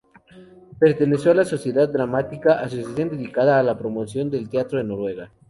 Perteneció a la "Sociedad Dramática", asociación dedicada a la promoción del teatro en Noruega.